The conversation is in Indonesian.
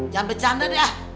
jangan bercanda deh